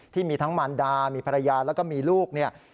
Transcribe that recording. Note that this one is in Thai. ที่มีทั้งมารดามีภรรยาแล้วก็มีลูกเนี่ย